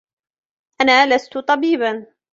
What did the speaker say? أنا لست طبيباً.